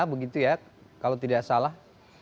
begitu ya kalau tidak salah